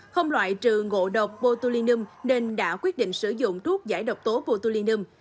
không loại trừ ngộ độc botulinum nên đã quyết định sử dụng thuốc giải độc tố botulinum